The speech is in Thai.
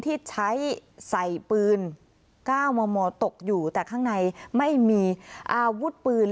ที่ใช้ใส่ปืน๙มมตกอยู่แต่ข้างในไม่มีอาวุธปืน